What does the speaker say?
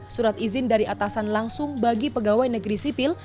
surat izin dari atasan langsung bagi pegawai negeri sipil